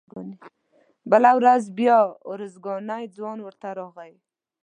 بله ورځ بیا ارزګانی ځوان ورته راغی.